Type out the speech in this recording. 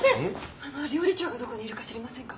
あの料理長がどこにいるか知りませんか？